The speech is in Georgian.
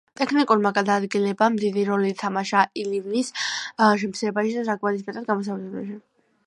ტექტონიკურმა გადაადგილებებმა დიდი როლი ითამაშა ოლივინის შემცირებაშიც და ჟანგბადის მეტად გამოთავისუფლებაში.